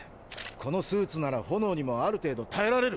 このスーツなら炎にもある程度耐えられる！